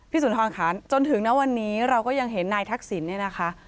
สุนทรค่ะจนถึงณวันนี้เราก็ยังเห็นนายทักษิณเนี่ยนะคะ